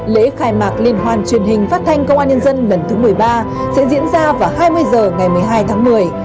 lễ khai mạc liên hoàn truyền hình phát thanh công an nhân dân lần thứ một mươi ba sẽ diễn ra vào hai mươi h ngày một mươi hai tháng một mươi